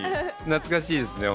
懐かしいですね